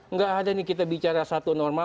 nggak ada nih kita bicara satu norma